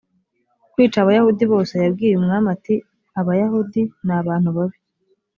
kwica abayahudi bose yabwiye umwami ati abayahudi ni abantu babi